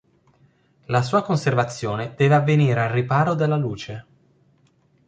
La sua conservazione deve avvenire al riparo dalla luce.